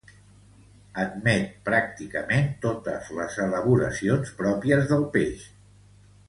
Admet pràcticament totes les elaboracions pròpies del peix.